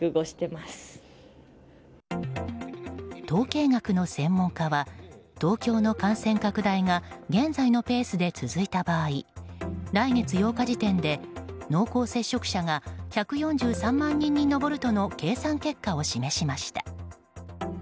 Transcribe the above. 統計学の専門家は東京の感染拡大が現在のペースで続いた場合来月８日時点で濃厚接触者が１４３万人に上るとの計算結果を示しました。